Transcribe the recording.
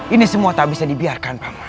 ini semua tak bisa dibiarkan pak